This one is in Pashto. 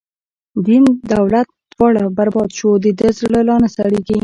دین دولت دواړه بر باد شو، د ده زړه لا نه سړیږی